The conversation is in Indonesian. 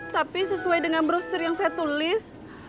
tapi sesuai dengan brosur yang saya tulis